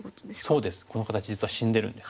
そうですこの形実は死んでるんです。